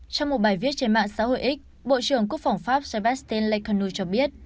trong một bài viết trên mạng xã hội x bộ trưởng quốc phòng pháp sébastien lecarnou cho biết